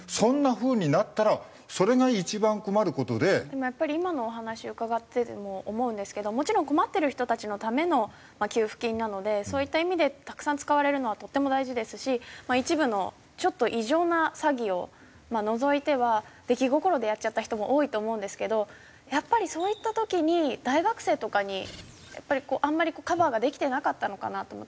でもやっぱり今のお話伺ってても思うんですけどもちろん困ってる人たちのための給付金なのでそういった意味でたくさん使われるのはとっても大事ですし一部のちょっと異常な詐欺を除いては出来心でやっちゃった人も多いと思うんですけどやっぱりそういった時に大学生とかにやっぱりあんまりカバーができてなかったのかなと思って。